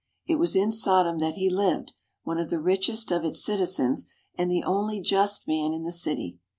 It was in Sodom that he lived, one of the richest of its citizens, and the only just man in the city.